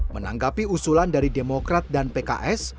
menanggapi usulan dari demokrat dan pks